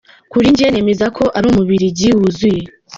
Kuri njye nemeza ko ari Umubiligi wuzuye.